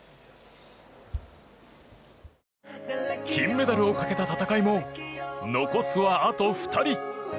金メダルをかけた戦いも残すはあと２人。